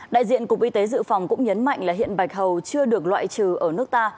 đại diện cục y tế dự phòng cũng nhấn mạnh là hiện bạch hầu chưa được loại trừ ở nước ta